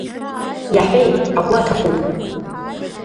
Иаҳәеи, агәы аҭахуп!